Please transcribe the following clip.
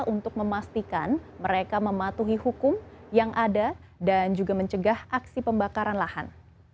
untuk memastikan mereka mematuhi hukum yang ada dan juga mencegah aksi pembakaran lahan